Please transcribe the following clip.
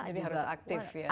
jadi harus aktif ya